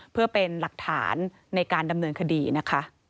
เพื่อเป็นหลักฐานในการดำเนินคดีนะคะ